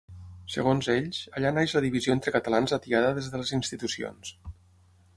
Segons ells, allà neix la divisió entre catalans atiada des de les institucions.